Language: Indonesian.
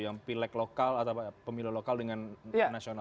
yang pilek lokal atau pemilu lokal dengan nasional